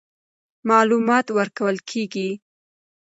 معلومات ورکول کېږي.